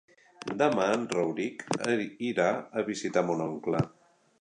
Demà en Rauric irà a visitar mon oncle.